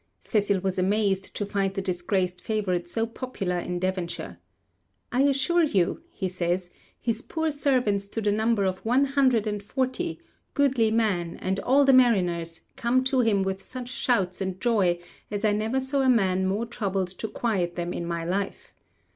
Cecil was amazed to find the disgraced favourite so popular in Devonshire. 'I assure you,' he says, 'his poor servants to the number of one hundred and forty, goodly men, and all the mariners, came to him with such shouts and joy as I never saw a man more troubled to quiet them in my life.